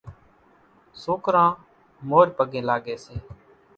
سوڪران مورِ پڳين لاڳي سي،